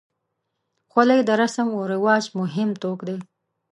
خولۍ د رسم و رواج مهم توک دی.